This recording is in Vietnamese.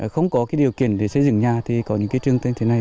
không có cái điều kiện để xây dựng nhà thì có những cái chương trình như thế này